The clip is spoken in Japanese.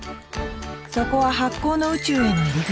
そこは発酵の宇宙への入り口。